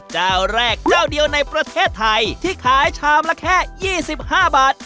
เจ้าแรกเจ้าเดียวในประเทศไทยที่ขายชามละแค่๒๕บาท